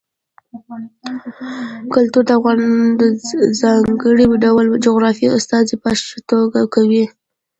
کلتور د افغانستان د ځانګړي ډول جغرافیې استازیتوب په ښه توګه کوي.